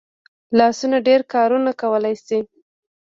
لاسونه ډېر کارونه کولی شي